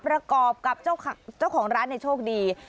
ประกอบกับเจ้าของร้านโชคดี